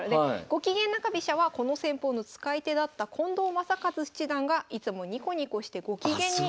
ゴキゲン中飛車はこの戦法の使い手だった近藤正和七段がいつもにこにこしてご機嫌に。